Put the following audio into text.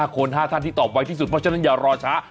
คน๕ท่านที่ตอบไวที่สุดเพราะฉะนั้นอย่ารอช้า